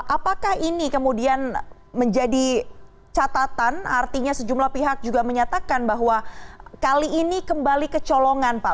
apakah ini kemudian menjadi catatan artinya sejumlah pihak juga menyatakan bahwa kali ini kembali kecolongan pak